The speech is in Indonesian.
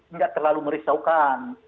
enggak terlalu merisaukan